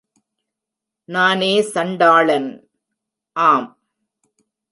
நானே சண்டாளன்... ஆம்.